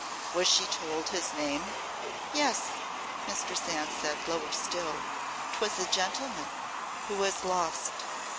"Was she told his name?" "Yes," Mistress Anne said, lower still; "'twas a gentleman who was lost.